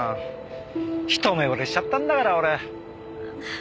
一目惚れしちゃったんだから俺。